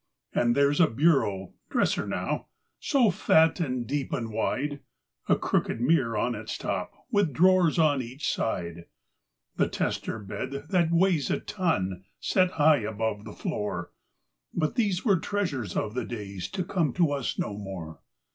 And there's a bureau—dresser, now—so fat and deep and wide; A crooked mirror on its top, with drawers on each side; The tester bed that weighs a ton, set high above the floor — But these were treasures of the days to come to us no more.